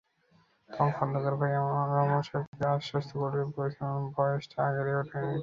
তখন খোন্দকার ভাই রাহমান সাহেবকে আশ্বস্ত করে বলেছিলেন, ভয়েসটা আগে রেকর্ড করি।